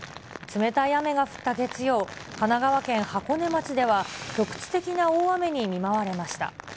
冷たい雨が降った月曜、神奈川県箱根町では、局地的な大雨に見舞われました。